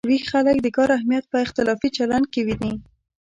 ویښ خلک د کار اهمیت په اختلافي چلن کې ویني.